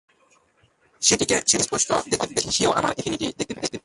সেটিকে স্পষ্ট দেখতে পাচ্ছি, সেও আমার অ্যাফিনিটি দেখতে পেয়েছে।